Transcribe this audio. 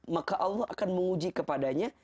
maka allah akan menguji kepadanya